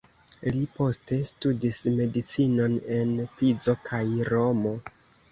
Li poste studis medicinon en Pizo kaj Romo.